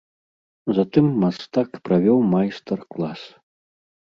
Затым мастак правёў майстар-клас.